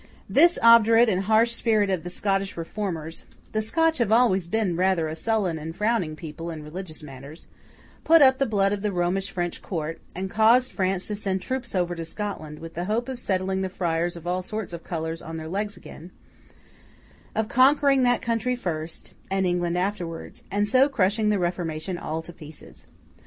This obdurate and harsh spirit of the Scottish Reformers (the Scotch have always been rather a sullen and frowning people in religious matters) put up the blood of the Romish French court, and caused France to send troops over to Scotland, with the hope of setting the friars of all sorts of colours on their legs again; of conquering that country first, and England afterwards; and so crushing the Reformation all to pieces.